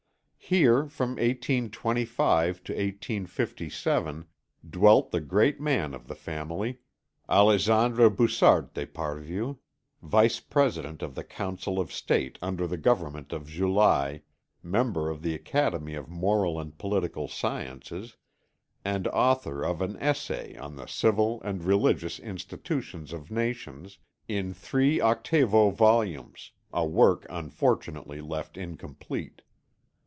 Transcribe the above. Here from 1825 to 1857 dwelt the great man of the family, Alexandre Bussart d'Esparvieu, Vice President of the Council of State under the Government of July, Member of the Academy of Moral and Political Sciences, and author of an Essay on the Civil and Religious Institutions of Nations, in three octavo volumes, a work unfortunately left incomplete.